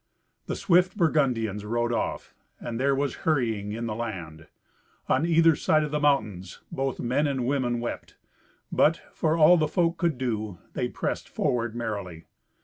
The swift Burgundians rode off, and there was hurrying in the land. On either side the mountains both men and women wept. But, for all the folk could do, they pressed forward merrily.